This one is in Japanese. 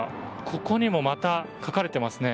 ここにもまた書かれていますね。